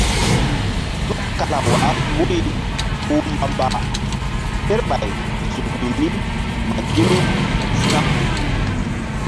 Tukala wah guri kpuh mbamba kerɓay zukru mi ma gini ma sa̧.